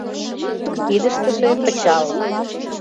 Кидыштыже пычал.